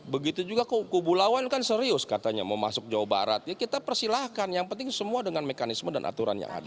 begitu juga kubu lawan kan serius katanya mau masuk jawa barat ya kita persilahkan yang penting semua dengan mekanisme dan aturan yang ada